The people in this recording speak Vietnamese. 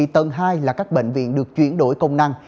tầng hai là các bệnh viện được chuyển đổi công năng